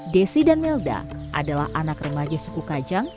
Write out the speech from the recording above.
desi dan melda adalah anak remaja suku kajang